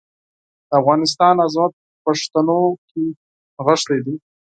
د افغانستان عظمت په پښتنو کې نغښتی دی.